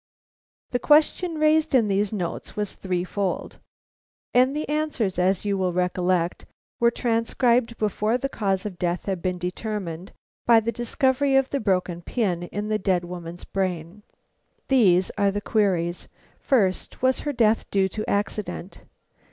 The question raised in these notes was threefold, and the answers, as you will recollect, were transcribed before the cause of death had been determined by the discovery of the broken pin in the dead woman's brain. These are the queries: First: was her death due to accident?